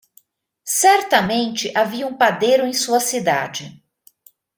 Certamente havia um padeiro em sua cidade.